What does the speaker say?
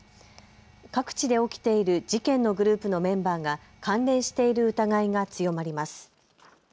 各地で起きている事件のグループのメンバーが関連している疑いが強まります。